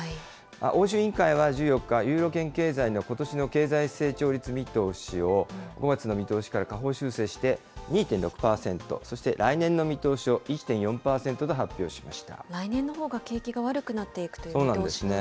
欧州委員会は１４日、ユーロ圏経済のことしの経済成長率見通しを、５月の見通しから下方修正して、２．６％、そして来年の見通しを来年のほうが景気が悪くなっそうなんですね。